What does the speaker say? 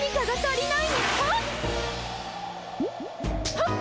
はっ！